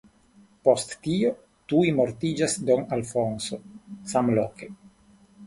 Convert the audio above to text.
Post tio tuj mortiĝas don Alfonso samloke.